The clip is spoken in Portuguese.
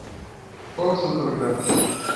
Qual o seu Telegram?